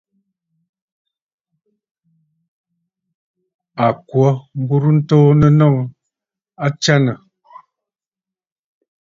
À kwǒ mburə ntoonə nnɔŋ, a tsyânə̀!